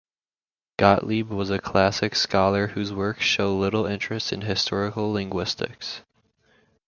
Gottlieb was a classics scholar whose works show little interest in historical linguistics.